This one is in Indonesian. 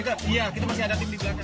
iya kita masih ada tim di belakangnya